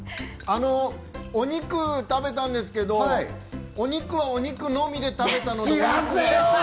お肉食べたんですけど、お肉はお肉のみで食べたので。